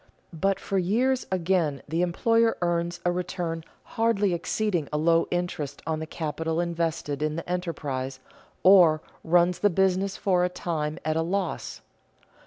But for years again the employer earns a return hardly exceeding a low interest on the capital invested in the enterprise, or runs the business for a time at a loss.